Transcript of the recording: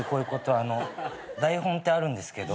台本ってあるんですけど。